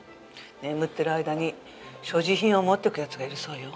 眠ってる間に所持品を持ってく奴がいるそうよ。